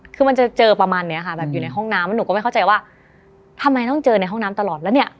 คือมันจะเจอประมาณเนี้ยค่ะแบบอยู่ในห้องน้ำแล้วหนูก็ไม่เข้าใจว่าทำไมต้องเจอในห้องน้ำตลอดแล้วเนี่ย